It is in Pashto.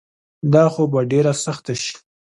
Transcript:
دا خو به ډیره سخته شي